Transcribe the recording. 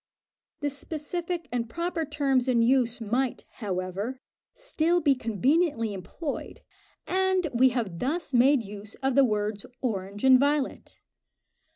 The specific and proper terms in use might, however, still be conveniently employed, and we have thus made use of the words orange and violet.